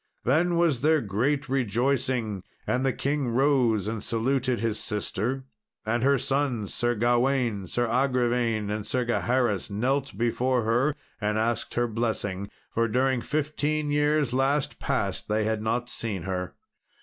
Then was there great rejoicing, and the king rose and saluted his sister. And her sons, Sir Gawain, Sir Agravain, and Sir Gaheris knelt before her and asked her blessing, for during fifteen years last past they had not seen her.